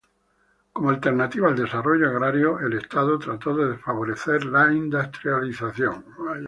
Como alternativa al desarrollo agrario, el Estado trató de favorecer la industrialización.